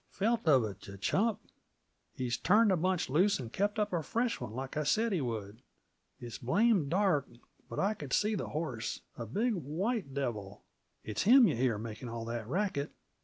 "Felt of it, yuh chump. He's turned the bunch loose and kept up a fresh one, like I said he would. It's blame dark, but I could see the horse a big white devil. It's him yuh hear makin' all that racket.